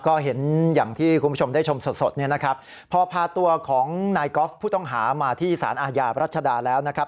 ก็เห็นอย่างที่คุณผู้ชมได้ชมสดสดเนี่ยนะครับพอพาตัวของนายกอล์ฟผู้ต้องหามาที่สารอาญารัชดาแล้วนะครับ